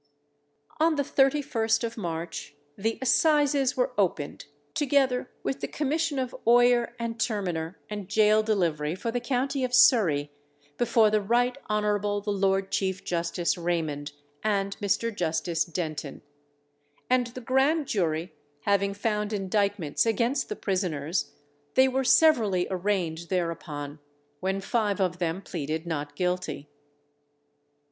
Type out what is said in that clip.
On the 31st of March, the assizes were opened, together with the commission of Oyer and Terminer and Gaol Delivery for the county of Surrey, before the Right Hon. the Lord Chief Justice Raymond, and Mr. Justice Denton; and the grand jury having found indictments against the prisoners, they were severally arraigned thereupon, when five of them pleaded not guilty.